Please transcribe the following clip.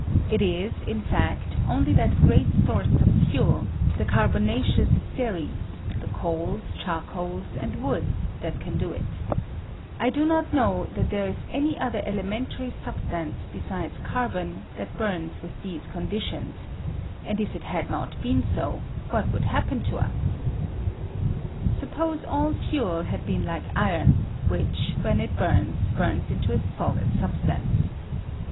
It is, in fact, only that great source of fuel, the carbonaceous series, the coals, char coals, and woods, that can do it I do not know that there ia any other elementary sub stance besides carbon that burns with these conditions; and if it had not been so, what would happen to us? Suppose all fuel had been like iron, which, when it bums, bums into a solid substance.